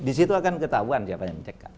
di situ akan ketahuan siapa yang menceka